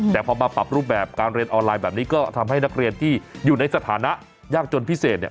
แต่พอมาปรับรูปแบบการเรียนออนไลน์แบบนี้ก็ทำให้นักเรียนที่อยู่ในสถานะยากจนพิเศษเนี่ย